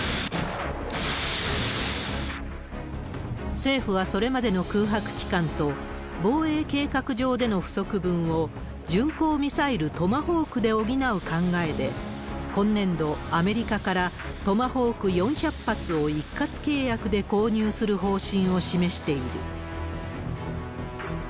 政府はそれまでの空白期間と、防衛計画上での不足分を巡航ミサイル、トマホークで補う考えで、今年度、アメリカからトマホーク４００発を一括契約で購入する方針を示している。